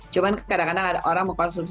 cuma kadang kadang ada orang yang mau konsumsi